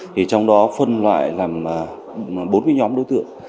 thì trong đó phân loại làm bốn mươi nhóm đối tượng